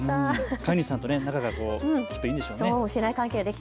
飼い主さんときっと仲がいいんでしょうね。